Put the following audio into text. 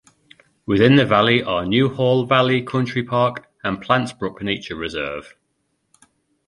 Within the valley are New Hall Valley Country Park and Plantsbrook Nature Reserve.